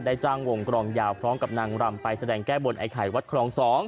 จ้างวงกรองยาวพร้อมกับนางรำไปแสดงแก้บนไอ้ไข่วัดครอง๒